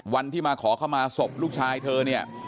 วันที่มาขอเข้ามาศพลูกชายเธอเนี่ย